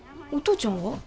お父ちゃんは？